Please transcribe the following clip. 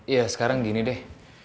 ya sekarang gini deh